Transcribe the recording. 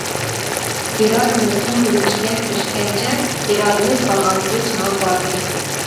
ئىرادىمىز چىڭ ئۆگىنىشكە كىرىشكەنچە ئىرادىمىز بارغانسېرى چىڭىپ باردى.